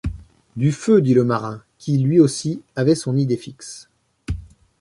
Du feu, dit le marin, qui, lui aussi, avait son idée fixe.